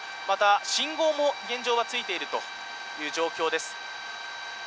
また、信号も現状がついているという状況です。